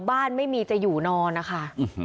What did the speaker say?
บ้านไม่มีจะอยู่นอนนะคะ